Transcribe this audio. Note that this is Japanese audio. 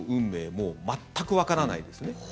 もう全くわからないですね。